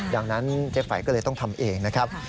ดังนั้นเจ๊ไฝก็เลยต้องทำเองนะครับ